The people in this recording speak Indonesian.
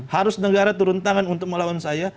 harus negara turun tangan untuk melawan saya